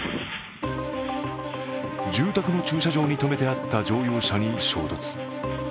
住宅の駐車場に止めてあった乗用車に衝突。